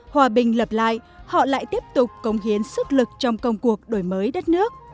hòa bình lập lại họ lại tiếp tục cống hiến sức lực trong công cuộc đổi mới đất nước